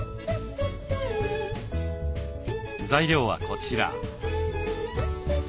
材料はこちら。